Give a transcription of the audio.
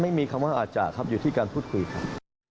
ไม่มีคำว่าอาจจะครับอยู่ที่การพูดคุยครับ